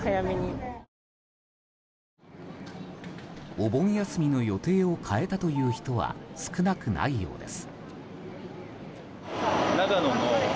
お盆休みの予定を変えたという人は少なくないようです。